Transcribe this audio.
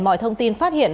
mọi thông tin phát hiện